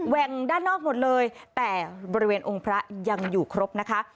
่งด้านนอกหมดเลยแต่บริเวณองค์พระยังอยู่ครบนะคะ